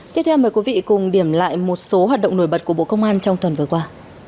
tiếp theo mời quý vị cùng điểm lại một số hoạt động nổi bật của bộ công an trong tuần vừa qua